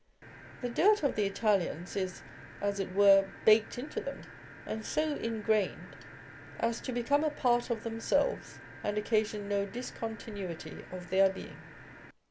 The dirt of the Italians is as it were baked into them, and so ingrained as to become a part of themselves, and occasion no discontinuity of their being.